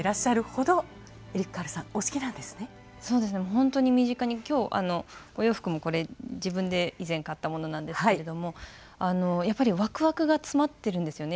本当に身近に今日お洋服もこれ自分で以前買ったものなんですけれどもやっぱりワクワクが詰まってるんですよね